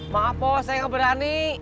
maaf bos saya gak berani